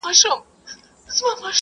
زما بچي مي زه پخپله لویومه `